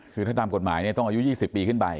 คือถ้าตามกฎหมายต้องอายุ๒๐ปีขึ้นไป